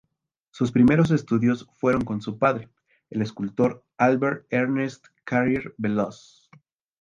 Sus primeros estudios fueron con su padre, el escultor Albert-Ernest Carrier-Belleuse.